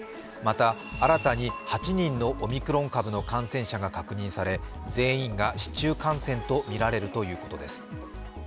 また、新たに８人のオミクロン株の感染者が確認され全員が市中感染とみられるということです。